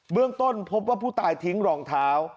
เรื่องต้นพบว่าผู้ตายทิ้งรองเท้า